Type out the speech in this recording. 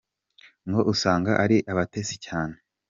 Ngo usanga ari abatesi cyane,.